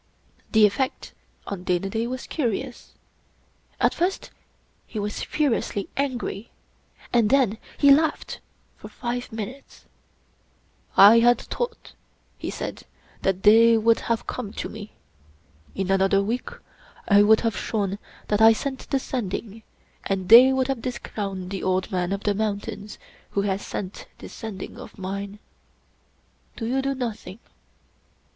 The effect on Dana Da was curious. At first he was furiously angry, and then he laughed for five min utes. 25 English Mystery Stories " I had thought," he said, " that they would haVe come to me. In another week I would have shown that I sent the Sending, and they would have discrowned the Old Man of the Mountains who has sent this Sending of mine Do you do nothing.